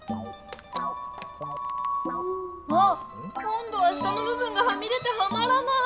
あ今どは下のぶ分がはみ出てはまらない！